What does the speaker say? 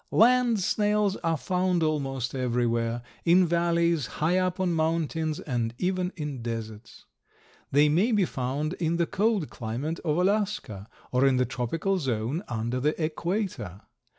Land snails are found almost everywhere, in valleys, high up on mountains, and even in deserts. They may be found in the cold climate of Alaska or in the tropical zone under the equator.